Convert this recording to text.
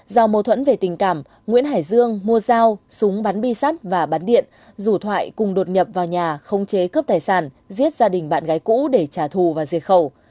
do mâu thuẫn về tình cảm nguyễn hải dương mua dao súng bắn bi sắt và bắn điện rủ thoại cùng đột nhập vào nhà không chế cướp tài sản giết gia đình bạn gái cũ để trả thù và diệt khẩu